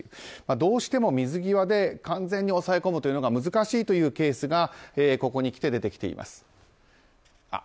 どうしても水際で完全に抑え込むのが難しいというケースがここにきて出てきています。